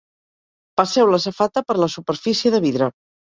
Passeu la safata per la superfície de vidre.